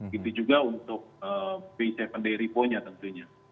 gitu juga untuk bi tujuh d repo nya tentunya